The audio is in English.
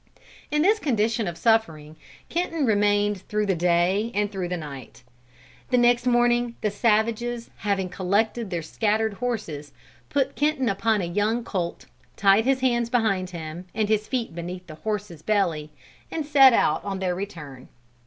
"In this condition of suffering Kenton remained through the day and through the night. The next morning the savages having collected their scattered horses, put Kenton upon a young colt, tied his hands behind him and his feet beneath the horse's belly, and set out on their return.